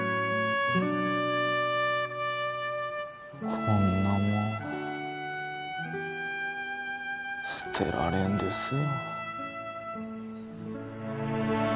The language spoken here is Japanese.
こんなもん捨てられんですよ